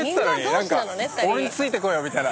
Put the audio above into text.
何か俺についてこいよみたいな。